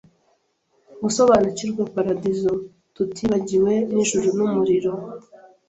gusobanukirwa paradizo tutibagiwe n'ijuru n'umuriro